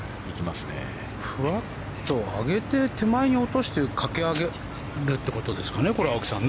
ふわっと上げて手前に落として駆け上がるということですかね。